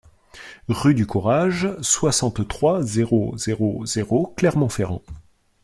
Rue du Courage, soixante-trois, zéro zéro zéro Clermont-Ferrand